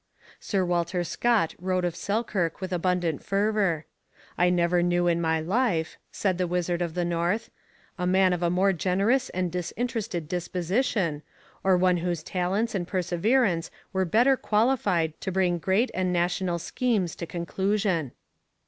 Sir Walter Scott wrote of Selkirk with abundant fervour. 'I never knew in my life,' said the Wizard of the North, 'a man of a more generous and disinterested disposition, or one whose talents and perseverance were better qualified to bring great and national schemes to conclusion.'